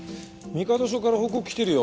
御門署から報告来てるよ。